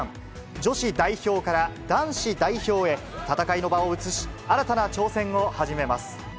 女子代表から男子代表へ戦いの場を移し、新たな挑戦を始めます。